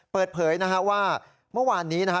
เปิดเผยนะฮะว่าเมื่อวานนี้นะฮะ